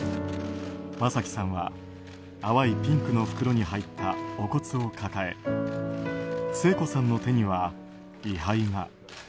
正輝さんは淡いピンクの袋に入ったお骨を抱え聖子さんの手には位牌が。